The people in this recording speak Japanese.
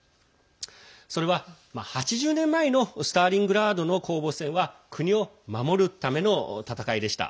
それは８０年前のスターリングラードの攻防戦は国を守るための戦いでした。